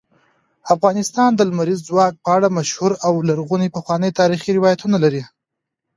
افغانستان د لمریز ځواک په اړه مشهور او لرغوني پخواني تاریخی روایتونه لري.